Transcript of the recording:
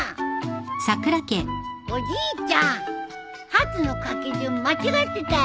「発」の書き順間違ってたよ！